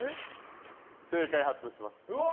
正解発表します。